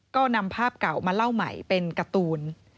ก็นำภาพเก่ามาเล่าใหม่เป็นการ์ตูน